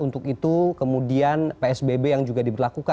untuk itu kemudian psbb yang juga diberlakukan